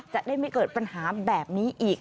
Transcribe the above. จะได้ไม่เกิดปัญหาแบบนี้อีก